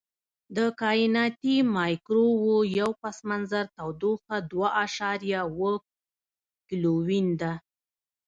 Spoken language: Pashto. د کائناتي مایکروویو پس منظر تودوخه دوه اعشاریه اووه کیلوین ده.